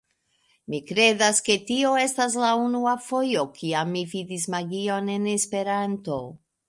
Mi kredas, ke tio estas la unua fojo, kiam mi vidis magion en Esperanto